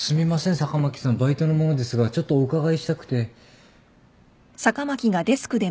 バイトの者ですがちょっとお伺いしたくて。